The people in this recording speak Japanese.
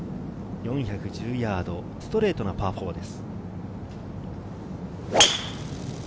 ４１０ヤード、ストレートなパー４です。